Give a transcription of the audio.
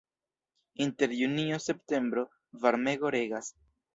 Inter junio-septembro varmego regas.